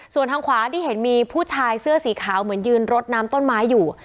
ส่วนทางขวาที่เห็นมีผู้ชายเสื้อสีขาวเหมือนยืนรดน้ำต้นไม้อยู่